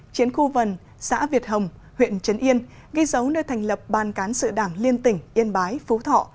chiến khu vần xã việt hồng huyện trấn yên ghi dấu nơi thành lập ban cán sự đảng liên tỉnh yên bái phú thọ